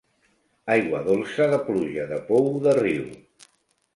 Aigua dolça, de pluja, de pou, de riu.